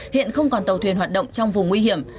hiện không còn tàu thuyền hoạt động trong vùng nguy hiểm